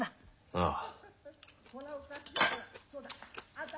ああ。